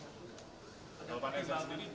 bapak nesari ini juga yang panggil wakil pemimpin